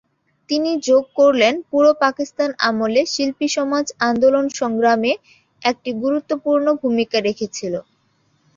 তিনি যোগ করলেন, পুরো পাকিস্তান আমলে শিল্পীসমাজ আন্দোলন-সংগ্রামে একটি গুরুত্বপূর্ণ ভূমিকা রেখেছিল।